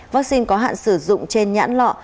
vaccine có hạn sử dụng trên nhãn lọ